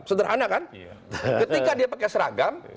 sederhana kan ketika dia pakai seragam